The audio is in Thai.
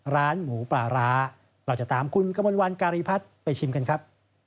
ร้านหมูปลาร้าเราจะตามคุณกมลวันการีพัฒน์ไปชิมกันครับ